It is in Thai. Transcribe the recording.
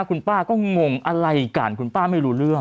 คุณป้าก็งงอะไรกันคุณป้าไม่รู้เรื่อง